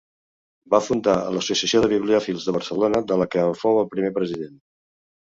Va fundar l'Associació de Bibliòfils de Barcelona, de la que en fou el primer president.